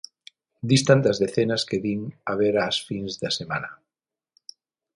Distan das decenas que din haber as fins de semana.